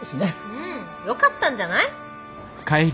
うんよかったんじゃない？